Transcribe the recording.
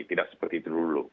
tidak seperti dulu